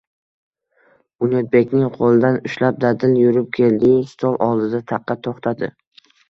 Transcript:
Bunyodbekning qoʻlidan ushlab dadil yurib keldi-yu, stol oldida taqqa toʻxtadi